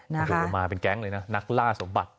โอ้โหมาเป็นแก๊งเลยนะนักล่าสมบัติ